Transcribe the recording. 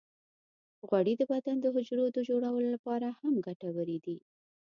غوړې د بدن د حجرو د جوړولو لپاره هم ګټورې دي.